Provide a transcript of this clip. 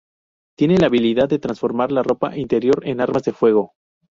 Tiene la habilidad de transformar la ropa interior en armas de fuego.